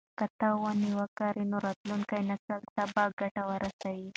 که ته ونې وکرې نو راتلونکي نسل ته به ګټه ورسوي.